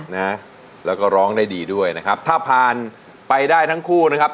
นะฮะแล้วก็ร้องได้ดีด้วยนะครับถ้าผ่านไปได้ทั้งคู่นะครับ